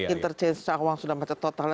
interchange cawang sudah macet total